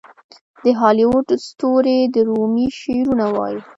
د هالیووډ ستوري د رومي شعرونه وايي.